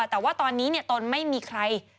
แต่ว่าตอนนี้ตนไม่มีใคร